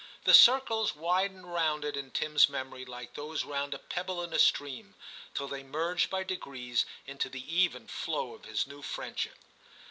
The circles widened round it in Tim's memory like those round a pebble in a stream till they merged by degrees into the even flow of his new friendship.